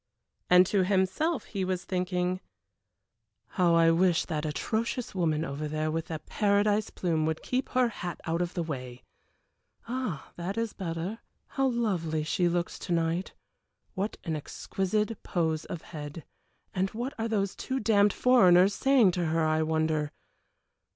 And to himself he was thinking "How I wish that atrocious woman over there with the paradise plume would keep her hat out of the way. Ah, that is better! How lovely she looks to night! What an exquisite pose of head! And what are those two damned foreigners saying to her, I wonder.